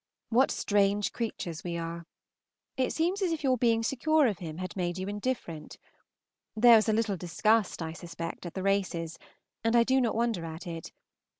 What strange creatures we are! It seems as if your being secure of him had made you indifferent. There was a little disgust, I suspect, at the races, and I do not wonder at it.